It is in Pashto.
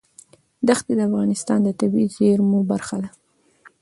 ښتې د افغانستان د طبیعي زیرمو برخه ده.